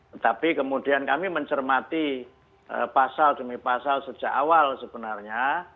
tetapi kemudian kami mencermati pasal demi pasal sejak awal sebenarnya